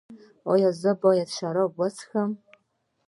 ایا زه باید شراب وڅښم؟